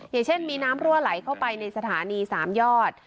อย่างเช่นมีน้ำรั่วไหลเข้าไปในสถานี๓ยอด